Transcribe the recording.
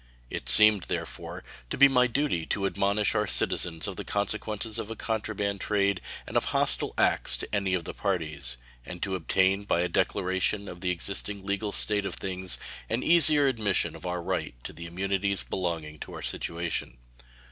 It seemed, therefore, to be my duty to admonish our citizens of the consequences of a contraband trade and of hostile acts to any of the parties, and to obtain by a declaration of the existing legal state of things an easier admission of our right to the immunities belonging to our situation.